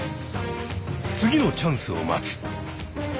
次のチャンスを待つ。